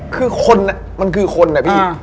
คือคนมันคือคนนะพี่